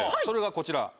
それがこちら。